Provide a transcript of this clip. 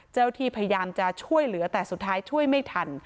เจ้าที่พยายามจะช่วยเหลือแต่สุดท้ายช่วยไม่ทัน